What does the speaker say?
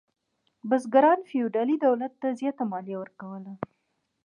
بزګرانو فیوډالي دولت ته زیاته مالیه ورکوله.